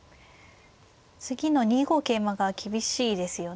次の２五桂馬が厳しいですよね。